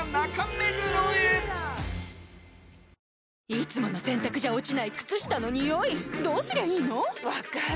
いつもの洗たくじゃ落ちない靴下のニオイどうすりゃいいの⁉分かる。